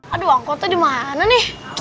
aduh angkota dimana nih